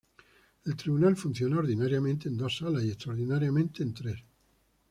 El tribunal funciona ordinariamente en dos salas y extraordinariamente, en tres.